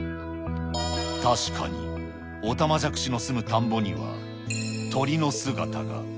確かにオタマジャクシの住む田んぼには、鳥の姿が。